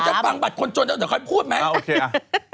ก็จะฟังบัตรคนจนเดี๋ยวค่อยพูดไหม